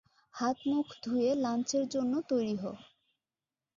হাত-মুখ ধুয়ে লাঞ্চের জন্য তৈরি হ।